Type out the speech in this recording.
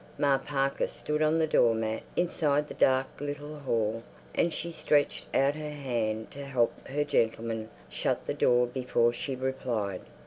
Ma Parker stood on the doormat inside the dark little hall, and she stretched out her hand to help her gentleman shut the door before she replied.